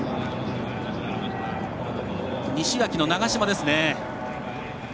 西脇の長嶋です。